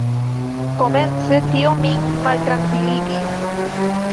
Komence tio min maltrankviligis.